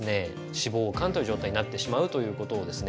脂肪肝という状態になってしまうということをですね